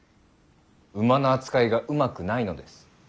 馬の扱いがうまくないのです。